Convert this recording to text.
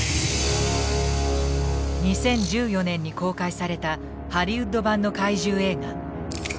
２０１４年に公開されたハリウッド版の怪獣映画「ＧＯＤＺＩＬＬＡ」。